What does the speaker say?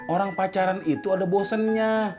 orang pacaran itu ada bosennya